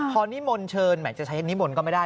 พอนิมนต์เชิญหมายจะใช้นิมนต์ก็ไม่ได้